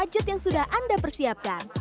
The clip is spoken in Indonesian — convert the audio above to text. dan budget yang sudah anda persiapkan